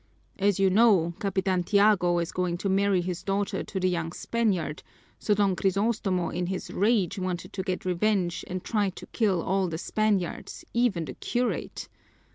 As you know, Capitan Tiago is going to marry his daughter to the young Spaniard, so Don Crisostomo in his rage wanted to get revenge and tried to kill all the Spaniards, even the curate.